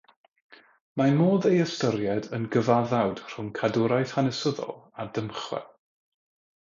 Mae modd ei ystyried yn gyfaddawd rhwng cadwraeth hanesyddol a dymchwel.